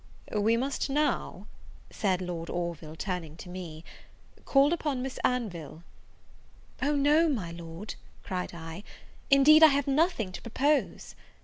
"We must now," said Lord Orville, turning to me, "call upon Miss Anville." "O no, my Lord," cried I; "indeed I have nothing to propose."